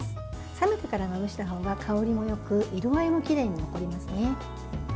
冷めてからまぶしたほうが香りもよく色合いもきれいに残りますね。